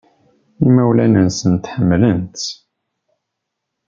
Imawlan-nsent ḥemmlen-tt.